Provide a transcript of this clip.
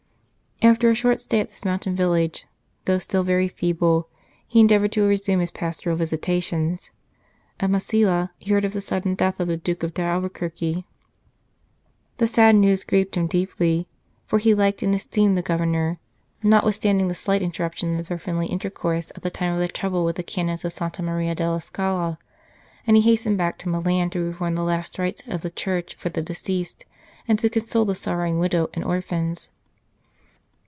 After a short stay at this mountain village, though still very feeble, he endeavoured to resume his pastoral visitations. At Massila he heard of the sudden death of the Duke d Albuquerque. The sad news grieved him deeply, for he liked and esteemed the Governor, notwithstanding the slight interruption of their friendly intercourse at the time of the trouble with the Canons of Santa Maria della Scala, and he hastened back to Milan to perform the last rites of the Church for the deceased, and to console the sorrowing widow and orphans.